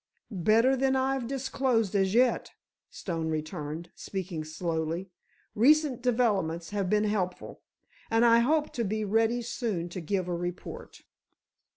"Better than I've disclosed as yet," Stone returned, speaking slowly; "recent developments have been helpful, and I hope to be ready soon to give a report."